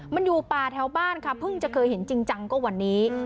มันอยู่ป่าแถวบ้านค่ะเพิ่งจะเคยเห็นจริงจังก็วันนี้